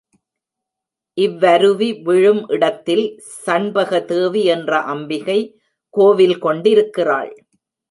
இவ்வருவி விழும் இடத்தில் சண்பகதேவி என்ற அம்பிகை, கோவில் கொண்டிருக்கிறாள்.